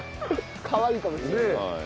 かわいいかもしれない。